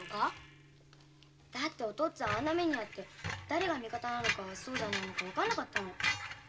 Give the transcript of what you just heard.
だっておとっつぁんあんな目にあってだれが味方かそうじゃないのかわかんなかったの。